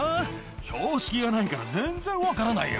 標識がないから、全然分からないよ。